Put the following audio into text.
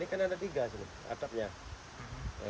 ini ada tiga atapnya